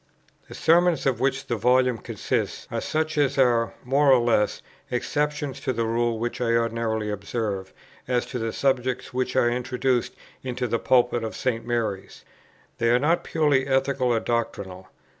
The Sermons of which the Volume consists are such as are, more or less, exceptions to the rule which I ordinarily observed, as to the subjects which I introduced into the pulpit of St. Mary's. They are not purely ethical or doctrinal.